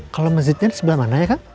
kalau masjidnya di sebelah mananya kang